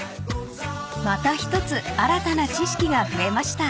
［また一つ新たな知識が増えました］